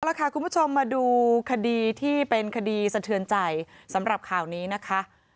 ละค่ะคุณผู้ชมมาดูคดีที่เป็นคดีสะเทือนใจสำหรับข่าวนี้นะคะ